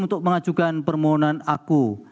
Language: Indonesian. untuk mengajukan permohonan aku